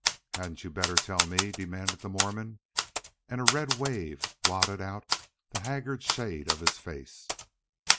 "Hadn't you better tell me?" demanded the Mormon, and a red wave blotted out the haggard shade of his face.